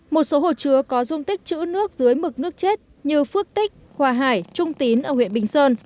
một số hồ chứa có dung tích chữ nước dưới mực nước chết như phước tích hòa hải trung tín ở huyện bình sơn